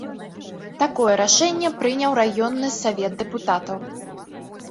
Такое рашэнне прыняў раённы савет дэпутатаў.